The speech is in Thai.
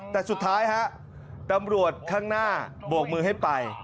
แต่สุดท้ายฮะตำรวจข้างหน้าโบกมือให้ไป